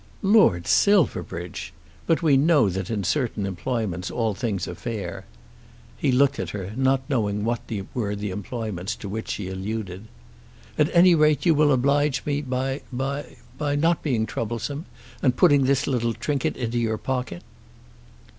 "Lord Silverbridge! But we know that in certain employments all things are fair." He looked at her not knowing what were the employments to which she alluded. "At any rate you will oblige me by by by not being troublesome, and putting this little trinket into your pocket."